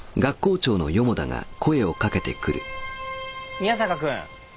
・宮坂君。